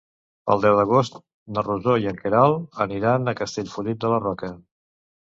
El deu d'agost na Rosó i en Quel aniran a Castellfollit de la Roca.